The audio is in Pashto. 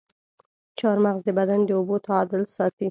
چارمغز د بدن د اوبو تعادل ساتي.